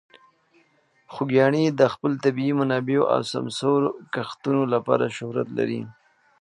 خوږیاڼي د خپلو طبیعي منابعو او سمسور کښتونو لپاره شهرت لري.